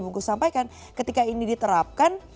bungkus sampaikan ketika ini diterapkan